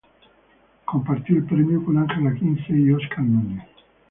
Compartió el premio con Angela Kinsey y Óscar Núñez.